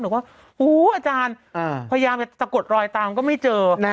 บอกว่าอาจารย์พยายามจะสะกดรอยตามก็ไม่เจอ